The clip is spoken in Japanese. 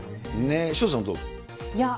潮田さん、どうですか。